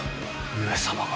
上様が。